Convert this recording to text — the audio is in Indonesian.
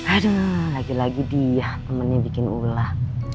aduh lagi lagi dia temennya bikin ulah